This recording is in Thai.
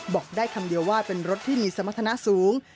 บอกได้คำเดียวว่าเป็นรถที่มีสมรรถนะสูง